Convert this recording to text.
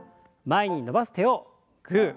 前に伸ばす手をグー。